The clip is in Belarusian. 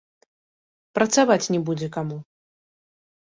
Працаваць не будзе каму.